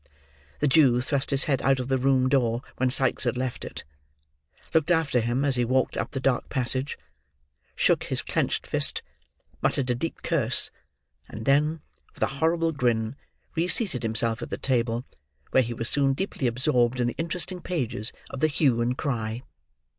The Jew thrust his head out of the room door when Sikes had left it; looked after him as he walked up the dark passage; shook his clenched fist; muttered a deep curse; and then, with a horrible grin, reseated himself at the table; where he was soon deeply absorbed in the interesting pages of the Hue and Cry.